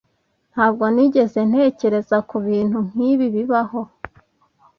Ntabwo nigeze ntekereza kubintu nkibi bibaho.